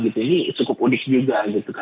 ini cukup unik juga